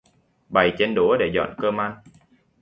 Bày chén đũa để dọn cơm ăn